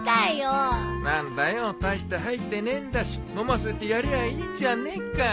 何だよ大して入ってねえんだし飲ませてやりゃいいじゃねえか。